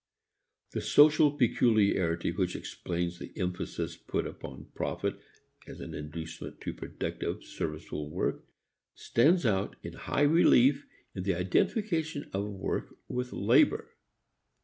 The social peculiarity which explains the emphasis put upon profit as an inducement to productive serviceable work stands out in high relief in the identification of work with labor.